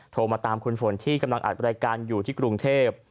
โทรมาตามคุณฝนที่กำลังอัดรายการอยู่ที่กรุงเทพ